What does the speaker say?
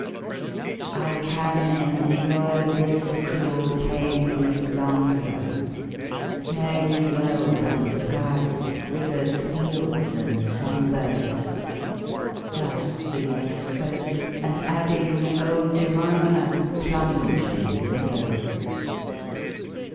"' I can endure this cruel pain no longer ; Fare ye well, blue skies, rivers, fields, and song birds!' Thus the youth spoke ; and adding, ' Oh, Jemima !' Plunsed in the billow